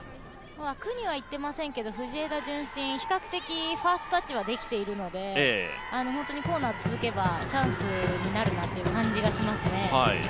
枠にはいってませんけど藤枝順心、比較的ファーストタッチはできているので本当にコーナー続けばチャンスになるという感じがしますね。